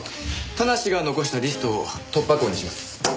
田無が残したリストを突破口にします。